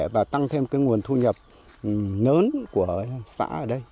và tăng thêm cái nguồn thu nhập lớn của xã ở đây